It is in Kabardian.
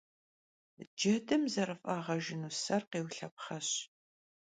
Cedım zerıf'ağejjınu ser khêulhepxheş.